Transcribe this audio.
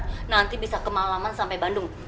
pachtu berangkat nanti bisa kemalaman sampai bandung